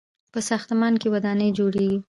په ساختمان کې ودانۍ جوړیږي.